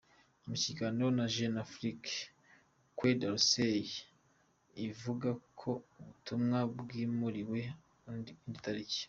Mu kiganiro na Jeune Afrique, Quai d’Orsay ivuga ko ubutumwa bwimuriwe indi tariki.